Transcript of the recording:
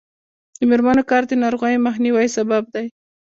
د میرمنو کار د ناروغیو مخنیوي سبب دی.